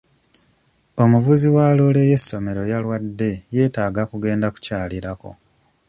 Omuvuzi wa loole y'essomero yalwadde yeetaaga kugenda kukyalirako.